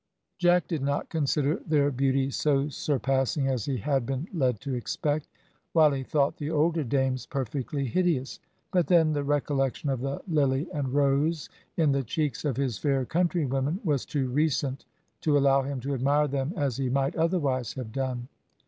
Jack did not consider their beauty so surpassing as he had been led to expect, while he thought the older dames perfectly hideous; but then the recollection of the lily and rose in the cheeks of his fair countrywomen was too recent to allow him to admire them as he might otherwise have done.